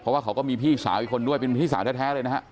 เพราะว่าเขาก็มีพี่สาวอีกคนด้วยเป็นพี่สาวแท้เลยนะฮะ